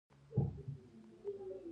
د بایسکل چلول د زړه روغتیا ته ګټه لري.